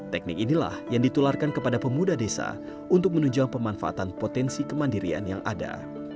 teknik inilah yang ditularkan kepada pemuda desa untuk menunjang pemanfaatan potensi kemandirian yang ada